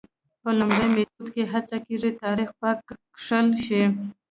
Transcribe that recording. په لومړي میتود کې هڅه کېږي تاریخ پاک کښل شي.